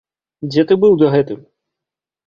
Дзе ты быў дагэтуль?